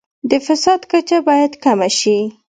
د فساد کچه باید کمه شي.